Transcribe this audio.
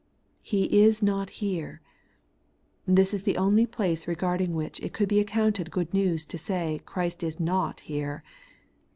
He is not here. This is the only place regarding which it could be accoimted good news to say, Christ is not here.